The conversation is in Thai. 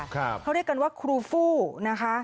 เขาเรียกกันว่าครูฟู้นะคะ